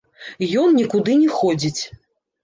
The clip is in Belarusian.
Ён нікуды не ходзіць.